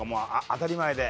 当たり前で。